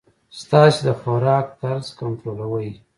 ستاسي د خوراک طرز کنټرولوی.